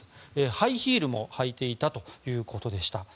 ハイヒールも履いていたということでした。